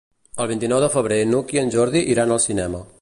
El vint-i-nou de febrer n'Hug i en Jordi iran al cinema.